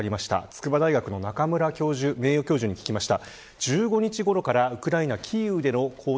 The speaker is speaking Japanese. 筑波大学の中村教授に聞きました。